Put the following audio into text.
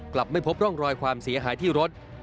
ไม่พบร่องรอยความเสียหายที่รถ